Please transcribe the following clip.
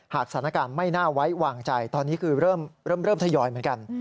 สถานการณ์ไม่น่าไว้วางใจตอนนี้คือเริ่มทยอยเหมือนกัน